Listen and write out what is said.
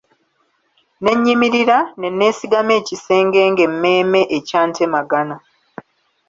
Ne nnyimirira, ne neesigama ekisenge ng'emmeeme ekyantemagana.